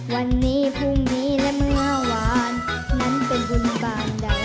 วันนี้พรุ่งนี้และเมื่อวานนั้นเป็นบุญบาลใด